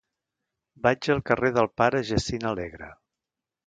Vaig al carrer del Pare Jacint Alegre.